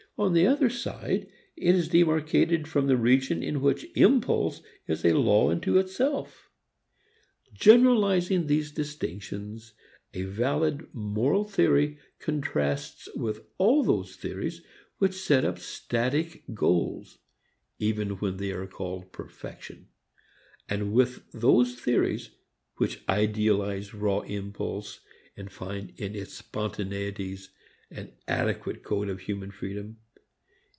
On the other side, it is demarcated from the region in which impulse is a law unto itself. Generalizing these distinctions, a valid moral theory contrasts with all those theories which set up static goals (even when they are called perfection), and with those theories which idealize raw impulse and find in its spontaneities an adequate mode of human freedom.